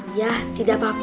iya tidak apa apa